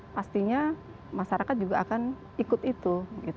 pastinya masyarakat juga akan ikut itu